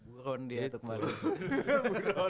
buron dia itu kemarin